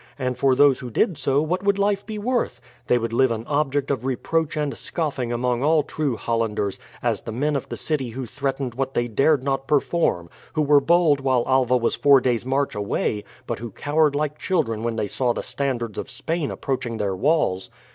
and for those who did so, what would life be worth? They would live an object of reproach and scoffing among all true Hollanders, as the men of the city who threatened what they dared not perform, who were bold while Alva was four days' march away, but who cowered like children when they saw the standards of Spain approaching their walls.